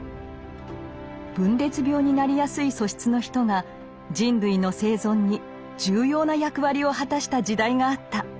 分裂病になりやすい素質の人が人類の生存に重要な役割を果たした時代があった。